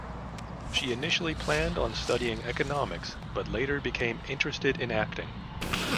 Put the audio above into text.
She initially planned on studying economics but later became interested in acting.